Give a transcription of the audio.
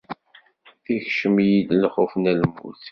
Ikcem-iyi lxuf n lmut.